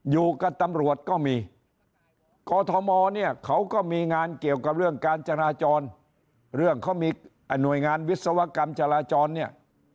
อยู่กับตำรวจก็มีกอทมเนี่ยเขาก็มีงานเกี่ยวกับเรื่องการจราจรเรื่องเขามีหน่วยงานวิศวกรรมจราจรเนี่ย